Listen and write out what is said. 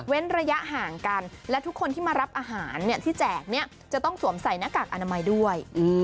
ระยะห่างกันและทุกคนที่มารับอาหารที่แจกเนี่ยจะต้องสวมใส่หน้ากากอนามัยด้วย